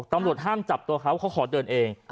ตำรวจห้ามจับตัวเขาเขาขอเดินเอง